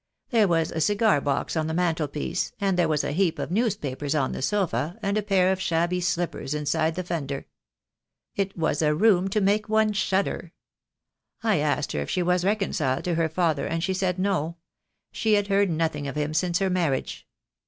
There was a cigar box on the mantelpiece, and there was a heap of newspapers on the sofa, and a pair of shabby slippers inside the fender. It was a room to make one shudder. I asked her if she was reconciled to her father, and she said no; she had heard nothing of him since her marriage.